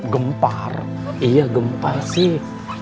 gempar iya gempar sih